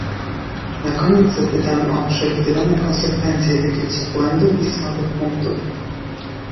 Na koniec zapytam o przewidywane konsekwencje wykrycia błędów i słabych punktów